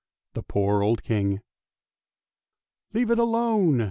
The poor old King! " Leave it alone!